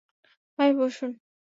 ভাই, বসুন।